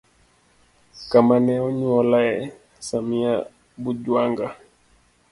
Kama ne onyuolae: samia bujwanga